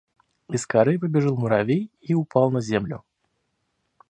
Из коры выбежал муравей и упал на землю.